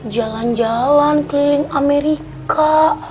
jalan jalan keliling amerika